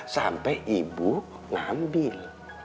sampai ibu ngambil